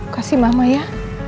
kasih mama ya